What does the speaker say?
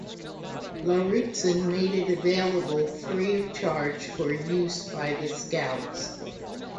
Lauritzen made it available free of charge for use by the scouts.